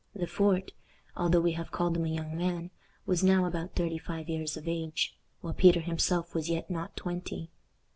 Le Fort, although we have called him a young man, was now about thirty five years of age, while Peter himself was yet not twenty.